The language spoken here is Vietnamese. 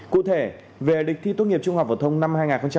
cụ thể về địch thi tốt nghiệp trung học vật thông năm hai nghìn hai mươi